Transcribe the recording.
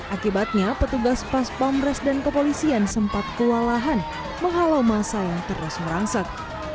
akibatnya petugas pas pamres dan kepolisian sempat kewalahan menghalau masa yang terus merangsak